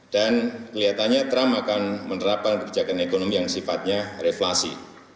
dan kelihatannya trump akan menerapkan kebijakan ekonomi yang sifatnya reflasi